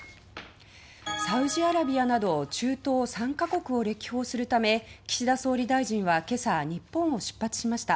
サウジアラビアなど中東３カ国を歴訪するため岸田総理大臣は今朝日本を出発しました。